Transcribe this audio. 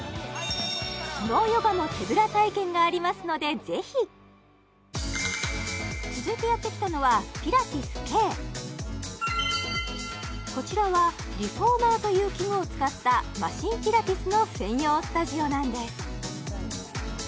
相撲ヨガの手ぶら体験がありますのでぜひ続いてやって来たのはこちらはリフォーマーという器具を使ったマシンピラティスの専用スタジオなんです